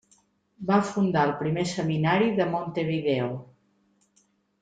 Va fundar el primer Seminari de Montevideo.